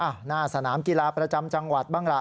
หน้าสนามกีฬาประจำจังหวัดบ้างล่ะ